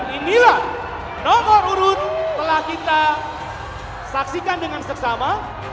inilah nomor urut telah kita saksikan dengan seksama